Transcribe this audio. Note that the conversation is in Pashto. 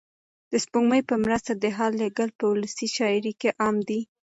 د سپوږمۍ په مرسته د حال لېږل په ولسي شاعرۍ کې عام دي.